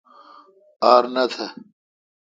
ار نہ تھ۔